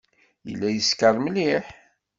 Yella yeskeṛ mliḥ.